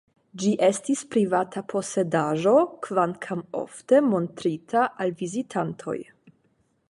Ĝi estis privata posedaĵo, kvankam ofte montrita al vizitantoj.